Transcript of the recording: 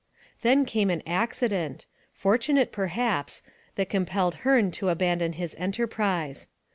Then came an accident, fortunate perhaps, that compelled Hearne to abandon his enterprise.